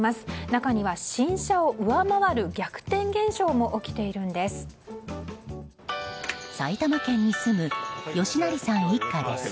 中には新車を上回る逆転現象も起きているんです。